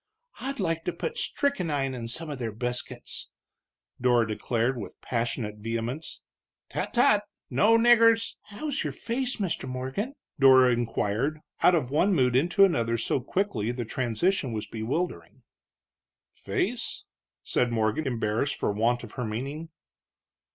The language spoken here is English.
"I'd like to put strickenine in some of their biscuits!" Dora declared, with passionate vehemence. "Tut tut! no niggers " "How's your face, Mr. Morgan?" Dora inquired, out of one mood into another so quickly the transition was bewildering. "Face?" said Morgan, embarrassed for want of her meaning.